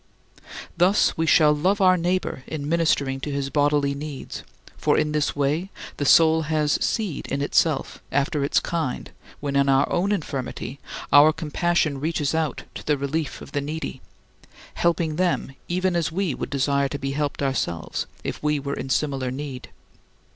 Thus we shall love our neighbor in ministering to his bodily needs, for in this way the soul has seed in itself after its kind when in our own infirmity our compassion reaches out to the relief of the needy, helping them even as we would desire to be helped ourselves if we were in similar need.